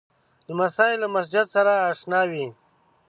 لمسی له مسجد سره اشنا وي.